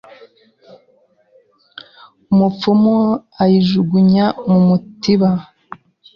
Umupfumu ayijugunya mumutiba